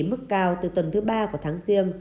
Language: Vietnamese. mức cao từ tuần thứ ba của tháng riêng